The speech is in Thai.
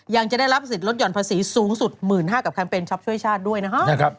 ยังจะได้รับสิทธิลดหย่อนภาษีสูงสุด๑๕๐๐กับแคมเปญช็อปช่วยชาติด้วยนะครับ